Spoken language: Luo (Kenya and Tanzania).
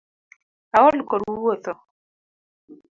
Aol kod wuotho